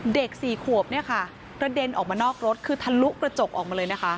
เด็ก๔ขวบระเด็นออกมานอกรถคือทะลุกระจกออกมาเลย